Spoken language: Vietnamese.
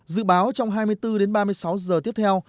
dự báo trong hai mươi bốn đến ba mươi sáu giờ tiếp theo